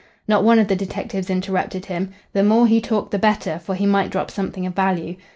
Not one of the detectives interrupted him. The more he talked the better, for he might drop something of value.